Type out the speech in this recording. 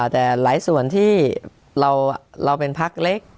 แต่หลายส่วนที่เราเป็นพักเล็ก